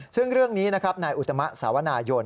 ซึ่งเรื่องนี้นะครับนายอุตมะสาวนายน